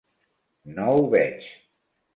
No ho veig.